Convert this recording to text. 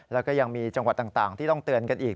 แล้วก็ยังมีจังหวัดต่างที่ต้องเตือนกันอีก